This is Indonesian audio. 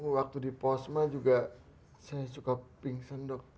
waktu di posma juga saya suka pingsan dok